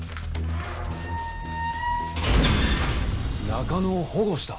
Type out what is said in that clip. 中野を保護した？